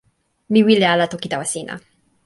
mi wile ala toki tawa sina.